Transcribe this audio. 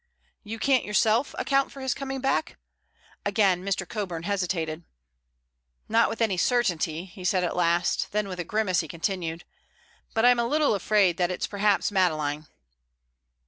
"You can't yourself account for his coming back?" Again Mr. Coburn hesitated. "Not with any certainty," he said at last, then with a grimace he continued: "But I'm a little afraid that it's perhaps Madeleine."